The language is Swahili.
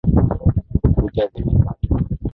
Kucha zimekatwa